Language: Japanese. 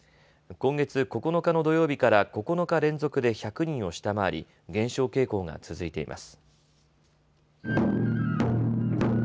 今月９日の土曜日から９日連続で１００人を下回り減少傾向が続いています。